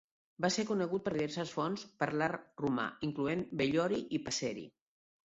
Va ser conegut per diverses fonts per l'art romà, incloent Bellori i Passeri.